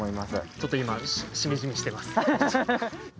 ちょっと今しみじみしてます。